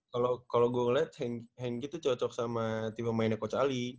kalau gue ngeliat hand itu cocok sama tipe mainnya coach ali